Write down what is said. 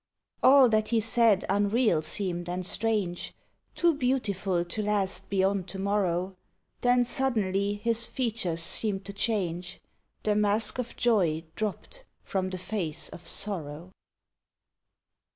All that he said unreal seemed and strange, Too beautiful to last beyond to morrow; Then suddenly his features seemed to change, The mask of joy dropped from the face of Sorrow.